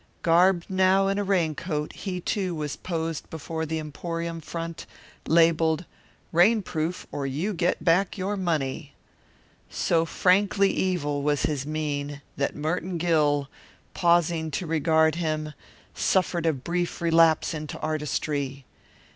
Garbed now in a raincoat, he, too, was posed before the emporium front, labelled "Rainproof or You Get Back Your Money." So frankly evil was his mien that Merton Gill, pausing to regard him, suffered a brief relapse into artistry.